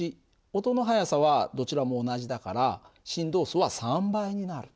音の速さはどちらも同じだから振動数は３倍になる。